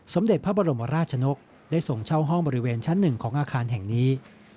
สมเด็จพระบรมราชนกได้ส่งเช่าห้องบริเวณชั้น๑ของอาคารแห่งนี้